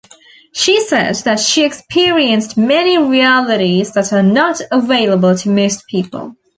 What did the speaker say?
She said that she experienced many realities that are not available to most people.